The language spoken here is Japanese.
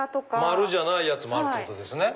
丸じゃないやつもあるってことですね。